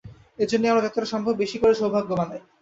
এজন্যই আমরা যতটা সম্ভব, বেশি করে সৌভাগ্য বানাই।